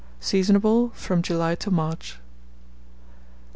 Seasonable from July to March.